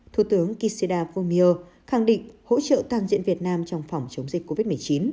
thủ tướng kishida fumio khẳng định hỗ trợ toàn diện việt nam trong phòng chống dịch covid một mươi chín